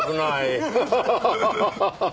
ハハハハ！